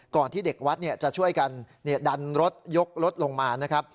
ที่เด็กวัดจะช่วยกันดันรถยกรถลงมานะครับ